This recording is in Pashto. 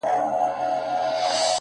قرآن” انجیل” تلمود” گیتا به په قسم نیسې”